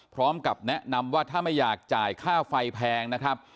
พร้อมกับแนะนำว่าถ้าไม่อยากจ่ายค่าไฟแพงนะครับ